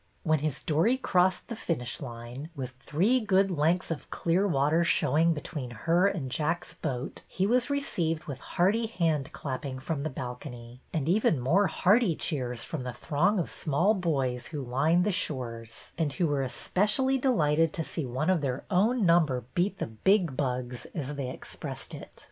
When his dory crossed the finish line, with three good lengths of clear water showing be tween her and Jack's boat, he was received with hearty hand clapping from the balcony, and even more hearty cheers from the throng of small boys who lined the shores and who were especially delighted to see one of their own number beat 96 BETTY BAIRD'S VENTURES '' the big bugs," as they expressed it.